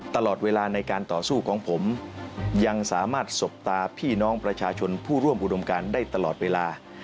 ตลอดเวลาในการต่อสู้ของผมยังสามารถสบตาพี่น้องประชาชนผู้ร่วมอุดมการได้ตลอดเวลา